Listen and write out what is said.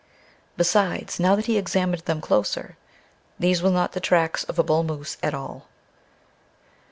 Besides, now that he examined them closer, these were not the tracks of a bull moose at all!